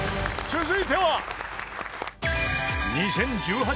［続いては］